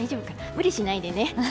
無理しないでね。